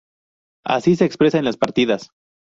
Así se expresa en las Partidas.